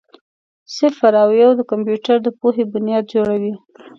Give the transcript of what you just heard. صفر او یو د کمپیوټر د پوهې بنیاد جوړوي.